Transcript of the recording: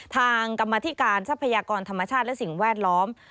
กรรมธิการทรัพยากรธรรมชาติและสิ่งแวดล้อม